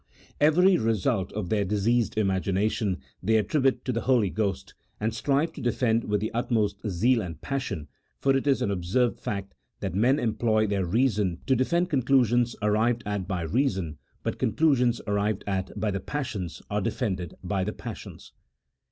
Every result of their diseased imagina tion they attribute to the Holy Ghost, and strive to defend with the utmost zeal and passion ; for it is an observed fact that men employ their reason to defend conclusions arrived at by reason, hut conclusions arrived at by the passions are defended by the passions.